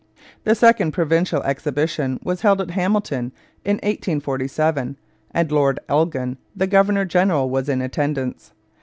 The second provincial exhibition was held at Hamilton in 1847, and Lord Elgin, the governor general, was in attendance.